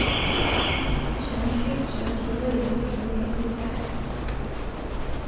城区整体位于平原地带。